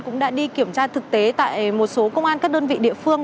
cũng đã đi kiểm tra thực tế tại một số công an các đơn vị địa phương